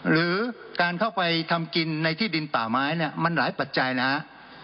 หรือการเข้าไปทำกินในที่ดินป่าไม้เนี่ยมันหลายปัจจัยนะฮะ